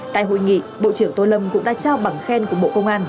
tại hội nghị bộ trưởng tô lâm cũng đã trao bằng khen của bộ công an